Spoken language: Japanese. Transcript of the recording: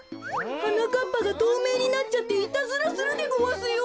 はなかっぱがとうめいになっちゃっていたずらするでごわすよ。